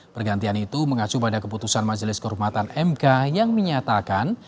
pergantian itu mengacu pada keputusan majelis kehormatan mk yang menyatakan